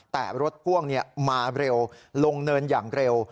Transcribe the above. แต่รถพ่วงมาเร็วลงเนินอย่างเร็ว